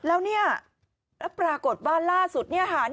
แล้วนี่ปรากฏว่าล่าสุด